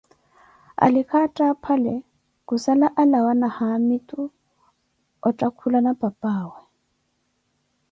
alikha attaaphale khusala alawa na haamitu otthakhulana papaawe